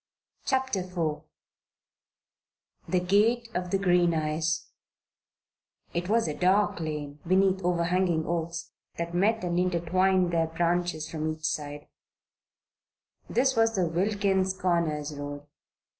CHAPTER IV THE GATE OF THE GREEN EYES It was a dark lane, beneath overhanging oaks, that met and intertwined their branches from either side this was the Wilkins Corners road.